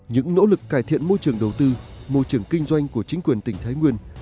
những nỗ lực cải thiện môi trường đầu tư môi trường kinh doanh của chính quyền tỉnh thái nguyên